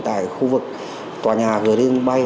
tại khu vực tòa nhà gửi điên bay